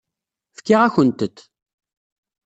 Fkiɣ-akent-t.